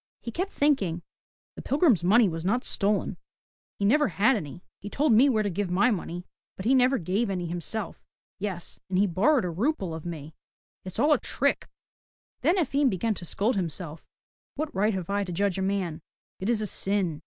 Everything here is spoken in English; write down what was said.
He kept thinking, The pilgrim's money was not stolen. He never had any. He told me where to give my money, but he never gave any himself. Yes, and he borrowed a rouble of me. It's all a trick!'* Then Efim began to scold himself, '*What right have I to judge a man? It is a sin.